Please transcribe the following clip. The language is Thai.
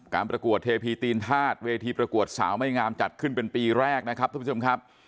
ประกวดเทพีตีนธาตุเวทีประกวดสาวไม่งามจัดขึ้นเป็นปีแรกนะครับทุกผู้ชมครับ